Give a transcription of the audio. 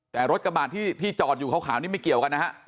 แต่รถกระบาดที่จอดอยู่ขาวนี่ไม่เกี่ยวกันนะฮะ